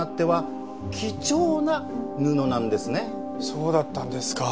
そうだったんですか。